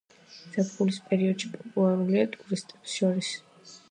ზაფხულის პერიოდში პოპულარულია ტურისტებს შორის.